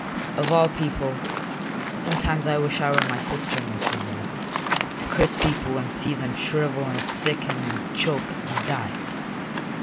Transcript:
Of all people, sometimes I wish I were my sister most of all, to curse people and see them shrivel and sicken and choke and die.